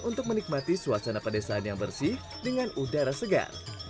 untuk menikmati suasana pedesaan yang bersih dengan udara segar